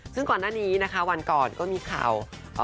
ซึ่งก่อนหน้านี้นะคะวันก่อนก็มีข่าว